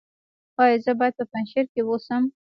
ایا زه باید په پنجشیر کې اوسم؟